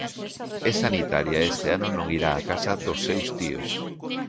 É sanitaria e este ano non irá á casa dos seus tíos.